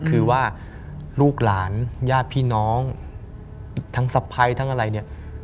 คือว่าลูกหลานญาติพี่น้องทั้งสะพ้ายทั้งอะไรเนี่ย